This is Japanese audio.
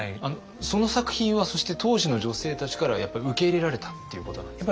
その作品はそして当時の女性たちからはやっぱり受け入れられたっていうことなんですか？